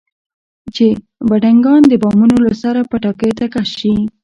چې بډنکان د بامونو له سره پټاکیو ته کش شي.